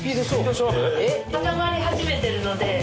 固まり始めてるので。